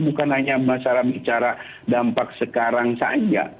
bicara dampak sekarang saja